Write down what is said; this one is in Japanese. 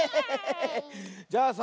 じゃあさ